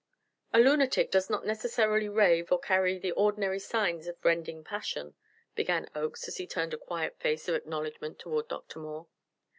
"A lunatic does not necessarily rave or carry the ordinary signs of rending passion," began Oakes as he turned a quiet face of acknowledgment toward Dr. Moore.